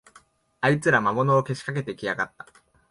あいつら、魔物をけしかけてきやがった